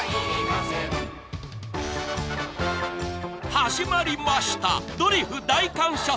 ［始まりました『ドリフ大感謝祭』！］